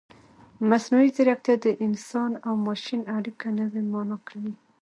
مصنوعي ځیرکتیا د انسان او ماشین اړیکه نوې مانا کوي.